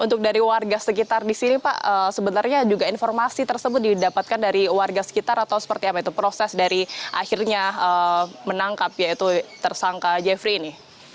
untuk dari warga sekitar di sini pak sebenarnya juga informasi tersebut didapatkan dari warga sekitar atau seperti apa itu proses dari akhirnya menangkap yaitu tersangka jeffrey ini